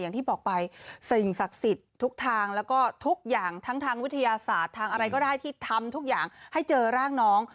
อย่างที่บอกไปสิ่งศักดิ์สิทธิ์ทุกทางแล้วก็ทุกอย่างทั้งทางวิทยาศาสตร์ทางอะไรก็ได้ที่ทำทุกอย่างให้เจอร่างน้อง